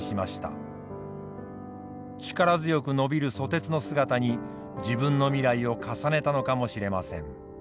力強く伸びる蘇鉄の姿に自分の未来を重ねたのかもしれません。